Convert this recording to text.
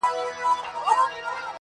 هر گړی ځانته د امن لوری گوري!